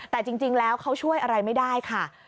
แต่จริงแล้วเขาช่วยอะไรไม่ได้ค่ะ